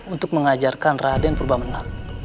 untuk mengajarkan raden purba menang